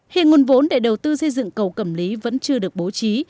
hiện nguồn vốn để đầu tư xây dựng cầu cẩm lý vẫn chưa được bố trí